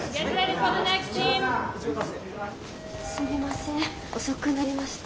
すみません遅くなりました。